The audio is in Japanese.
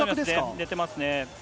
出てますね。